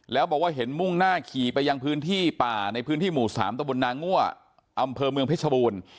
แล้วบอกว่าเห็นมุ่งหน้าขี่ไปยังพื้นที่ป่าในพื้นที่หมู่๓ตะบนนางั่วอำเภอเมืองเพชรบูรณ์